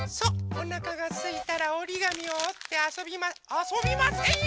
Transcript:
おなかがすいたらおりがみをおってあそびまあそびませんよ！